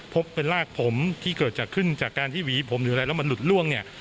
พบเป็นรากผมที่เกิดจากขึ้นจากการที่หวีผมหรืออะไรแล้วมันหลุดล่วงเนี่ย